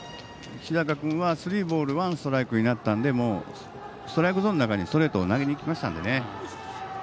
日高君は、スリーボールワンストライクになったのでもう、ストライクゾーンの中にストレートを投げに行きましたのでね。